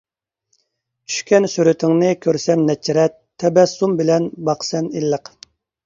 چۈشكەن سۈرىتىڭنى كۆرسەم نەچچە رەت، تەبەسسۇم بىلەن باقىسەن ئىللىق.